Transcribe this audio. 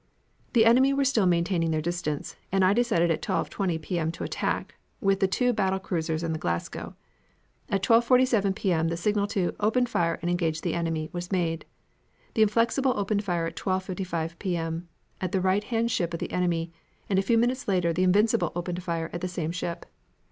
"The enemy were still maintaining their distance, and I decided at 12.20 P. M. to attack, with the two battle cruisers and the Glasgow. At 12.47 P. M. the signal to 'Open fire and engage the enemy' was made. The Inflexible opened fire at 12.55 P. M. at the right hand ship of the enemy, and a few minutes later the Invincible opened fire at the same ship.